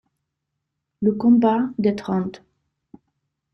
Le Combat des Trente.